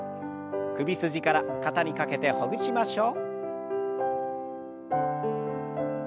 首筋から肩にかけてほぐしましょう。